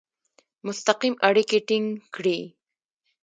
مستقیم اړیکي ټینګ کړي.